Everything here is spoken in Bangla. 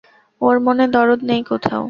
ওর মনে দরদ নেই কোথাও।